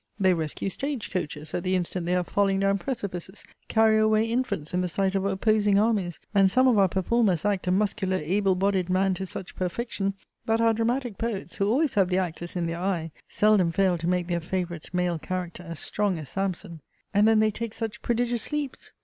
they rescue stage coaches at the instant they are falling down precipices; carry away infants in the sight of opposing armies; and some of our performers act a muscular able bodied man to such perfection, that our dramatic poets, who always have the actors in their eye, seldom fail to make their favourite male character as strong as Samson. And then they take such prodigious leaps!!